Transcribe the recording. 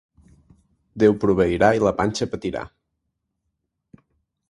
Déu proveirà i la panxa patirà.